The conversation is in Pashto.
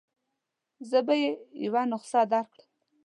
زه به يې یوه نسخه درکړم.